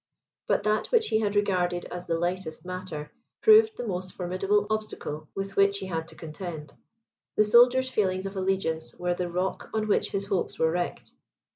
But that which he had regarded as the lightest matter, proved the most formidable obstacle with which he had to contend; the soldiers' feelings of allegiance were the rock on which his hopes were wrecked.